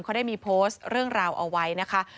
เขาได้มีโพสต์เรื่องราวเอาไว้นะคะ